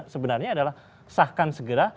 sebenarnya adalah sahkan segera